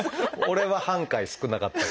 俺は半回少なかった。